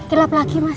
gelap lagi mas